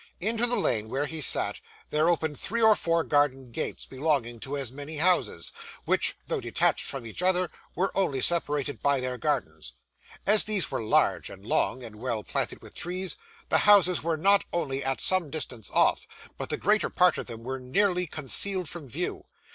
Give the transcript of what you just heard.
Into the lane where he sat, there opened three or four garden gates, belonging to as many houses, which though detached from each other, were only separated by their gardens. As these were large and long, and well planted with trees, the houses were not only at some distance off, but the greater part of them were nearly concealed from view.